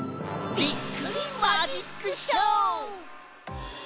びっくりマジックショー！